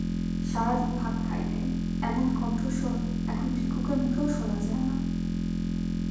সারা দিন ভাত খাই নাই—এমন কণ্ঠস্বর এখন ভিক্ষুকের মুখেও শোনা যায় না।